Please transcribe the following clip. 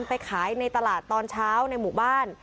ไปขายในตลาดตอนเช้าในหมู่บ้าน